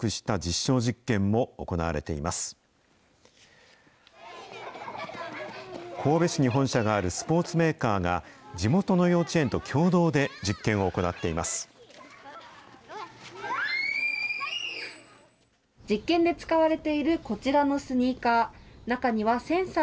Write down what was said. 実験で使われているこちらのスニーカー。